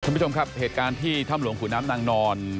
คุณผู้ชมครับเหตุการณ์ที่ถ้ำหลวงขุนน้ำนางนอน